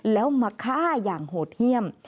แล้วมาฆ่าอย่างโหดเยี่ยม